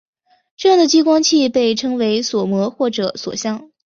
这样的激光器被称为锁模或者锁相。